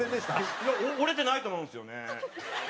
折れてないと思うんですよね。